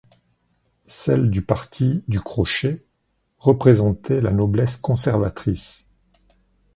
Celle du parti du Crochet représentait la noblesse conservatrice.